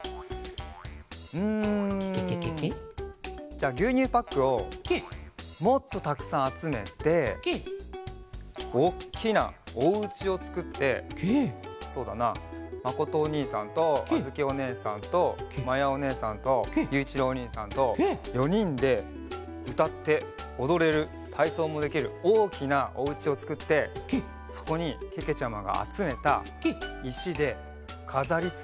じゃあぎゅうにゅうパックをもっとたくさんあつめておっきなおうちをつくってそうだなまことおにいさんとあづきおねえさんとまやおねえさんとゆういちろうおにいさんと４にんでうたっておどれるたいそうもできるおおきなおうちをつくってそこにけけちゃまがあつめたいしでかざりつけをするのはどう？